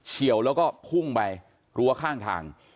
ี่ยวแล้วก็พุ่งไปรั้วข้างทาง